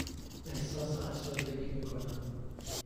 احساس افسردگی می کنم.